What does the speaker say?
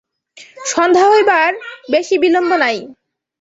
সন্ধ্যা হইবার বেশি বিলম্ব নাই।